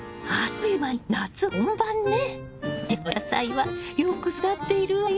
テラスの野菜はよく育っているわよ。